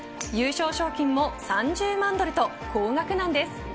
優勝賞金も３０万ドルと高額なんです。